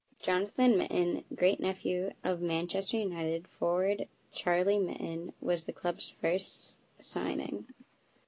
Jonathan Mitten, great-nephew of Manchester United forward Charlie Mitten, was the club's first signing.